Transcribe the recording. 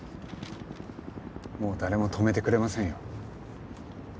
もう誰も止めてくれませんよ。